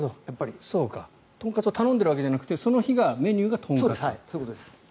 豚カツを頼んでるわけじゃなくてその日のメニューが豚カツ。